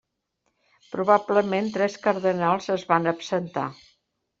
Probablement tres cardenals es van absentar.